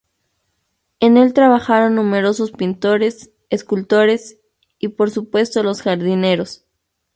En el trabajaron numerosos pintores, escultores y, por supuesto, los jardineros.